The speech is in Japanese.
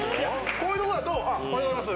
こういうとこだと「おはようございます。